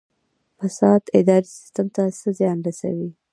فساد اداري سیستم ته څه زیان رسوي؟